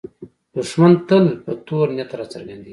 دښمن تل په تور نیت راڅرګندېږي